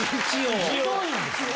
ひどいんです。